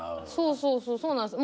そうそうそうなんですよ。